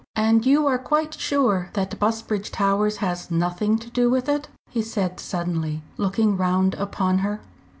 "And you are quite sure that Busbridge Towers has nothing to do with it?" he said suddenly, looking round upon her.